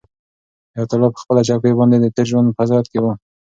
حیات الله په خپله چوکۍ باندې د تېر ژوند په حسرت کې و.